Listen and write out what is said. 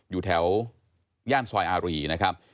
อยู่แถวย่านซอยอารีนะครับ